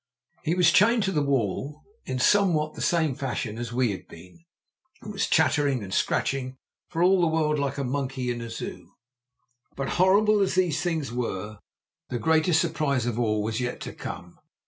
He was chained to the wall in somewhat the same fashion as we had been, and was chattering and scratching for all the world like a monkey in a Zoo. But, horrible as these things were, the greatest surprise of all was yet to come.